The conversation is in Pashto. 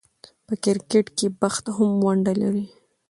په کرکټ کښي بخت هم ونډه لري.